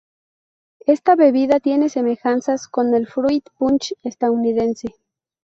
Esta bebida tiene semejanzas con el fruit punch estadounidense.